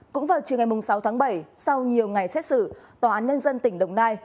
cũng vào chiều ngày sáu tháng bảy sau nhiều ngày xét xử tòa án nhân dân tỉnh đồng nai